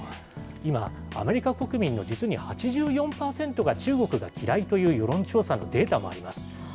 今、アメリカ国民の実に８４％が中国が嫌いという世論調査のデータもあります。